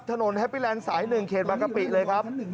ถนนแฮปปี้แลนด์สายหนึ่งเครดมะกะปิเลยครับ